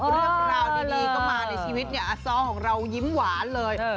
เรื่องราวดีก็มาในชีวิตเนี่ยอาซ้อของเรายิ้มหวานเลย